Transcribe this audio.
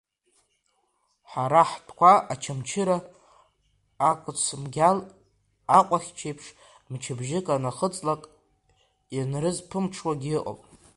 Ҳара ҳтәқәа Очамчыра, акыц мгьал акәахьчеиԥш, мчыбжьык анахыҵлак, ианрызԥымҽуагьы ыҟоуп.